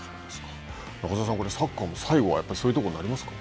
中澤さん、サッカーも最後はそういうところになりますか。